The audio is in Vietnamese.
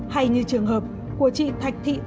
hay như trường hợp của chị thanh thị phượng